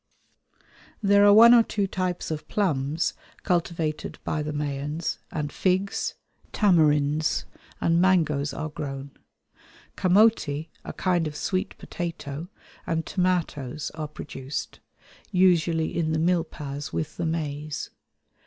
There are one or two types of plums cultivated by the Mayans, and figs, tamarinds and mangoes are grown. Camote, a kind of sweet potato, and tomatoes are produced, usually in the milpas with the maize.